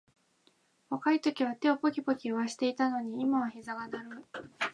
若いときは手をポキポキいわせていたのに、今はひざが鳴る